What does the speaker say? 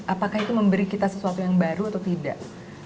apakah itu memberi kita sesuatu yang baru atau tidak